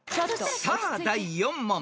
［さあ第４問］